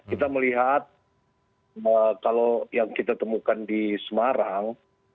kita melihat kalau yang kita temukan di semarang